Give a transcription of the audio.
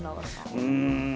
うん。